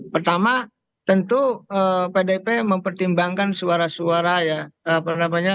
pertama tentu pdip mempertimbangkan suara suara